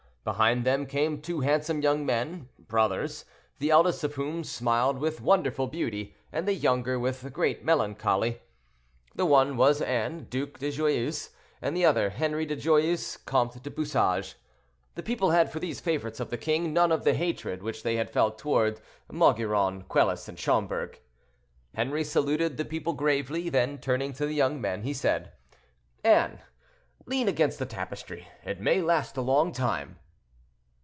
Behind them came two handsome young men, brothers, the eldest of whom smiled with wonderful beauty, and the younger with great melancholy. The one was Anne, duc de Joyeuse, and the other Henri de Joyeuse, comte de Bouchage. The people had for these favorites of the king none of the hatred which they had felt toward Maugiron, Quelus, and Schomberg. Henri saluted the people gravely; then, turning to the young men, he said, "Anne, lean against the tapestry; it may last a long time."